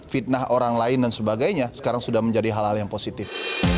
fitnah orang lain dan sebagainya sekarang sudah menjadi hal hal yang positif